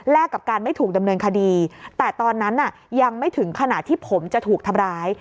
และกับการไม่ถูกดำเนินคดีแต่ตอนนั้นยังไม่ถึงขนาดที่ผมจะถูกทำร้าย